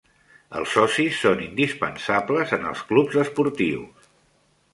Els socis són indispensables en els clubs esportius.